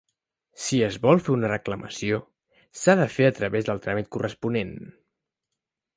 Si es vol fer una reclamació, s'ha de fer a través del tràmit corresponent.